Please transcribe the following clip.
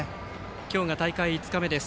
今日が大会５日目です。